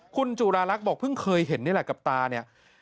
คุณจุราลักษณ์บอกเพิ่งเคยเห็นนี่แหละกับตาเนี่ย